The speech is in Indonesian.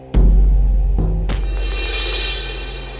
dan ketika tumpuh baik dan kuadeus saja